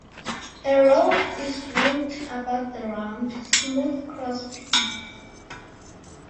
A rope is wound about the round, smooth crosspiece.